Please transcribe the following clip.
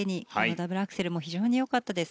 ダブルアクセルも非常によかったです。